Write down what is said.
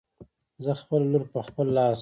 زه خپله لور په خپل لاس